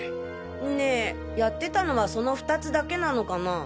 ねえやってたのはその２つだけなのかなぁ？